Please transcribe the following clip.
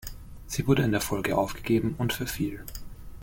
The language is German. Sie wurde in der Folge aufgegeben und verfiel.